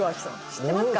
知ってますか？